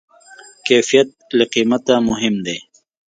کیفیت له قیمته مهم دی.